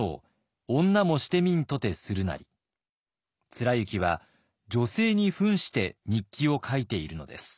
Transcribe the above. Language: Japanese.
貫之は女性にふんして日記を書いているのです。